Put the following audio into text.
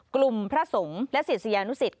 กลุ่มพระสงฆ์และศิษยานุศิษย์